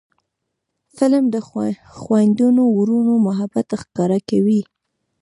فلم د خویندو ورونو محبت ښکاره کوي